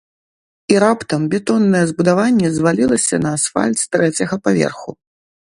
І раптам бетоннае збудаванне звалілася на асфальт з трэцяга паверху.